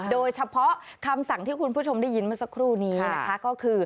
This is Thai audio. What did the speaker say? โดยเฉพาะคำสั่งที่คุณผู้ชมได้ยินเมื่อสักครู่นี้นะคะก็คือ